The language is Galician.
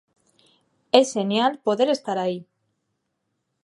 É xenial poder estar aí.